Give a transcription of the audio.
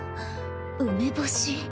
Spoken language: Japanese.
梅干し？